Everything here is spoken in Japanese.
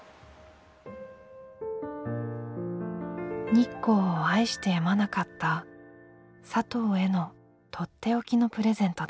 日光を愛してやまなかったサトウへのとっておきのプレゼントだ。